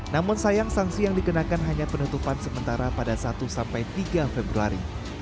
namun sayang sanksi yang dikenakan hanya penutupan sementara pada satu sampai tiga februari